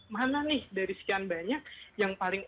mana nih dari sekian banyak yang paling